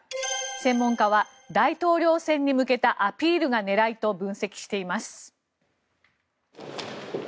専門家は大統領選に向けたアピールが狙いと分析しています。